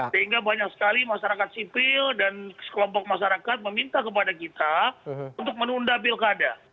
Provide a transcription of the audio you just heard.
sehingga banyak sekali masyarakat sipil dan sekelompok masyarakat meminta kepada kita untuk menunda pilkada